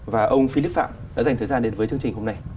và ông philip phạm đã dành thời gian đến với chương trình hôm nay